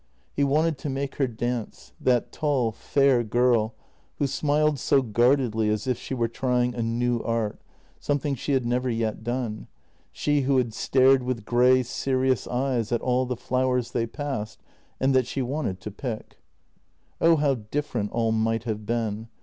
He wanted to make her dance — that tall, fair girl, who smiled so guardedly as if she were trying a new art, something she had never yet done — she who had stared with grey, serious eyes at all the flowers they passed and that she wanted to pick. Oh, how different all might have been!